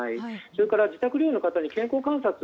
それから自宅療養の方に健康観察